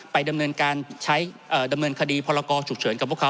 ดำเนินการใช้ดำเนินคดีพรกรฉุกเฉินกับพวกเขา